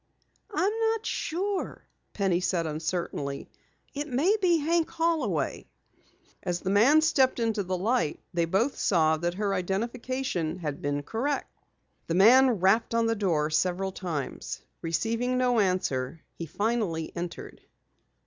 "I'm not sure," Penny said uncertainly. "It may be Hank Holloway." As the man stepped into the light, they both saw that her identification had been correct. The man rapped on the door several times. Receiving no answer, he finally entered.